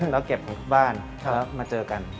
แล้วเก็บของทุกบ้านมาเจอกัน